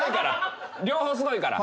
両方すごいから。